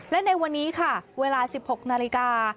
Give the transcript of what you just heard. และในวันนี้ค่ะเวลา๑๖นาฬิกา